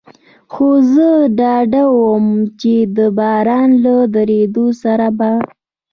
خو زه ډاډه ووم، چې د باران له درېدو سره به.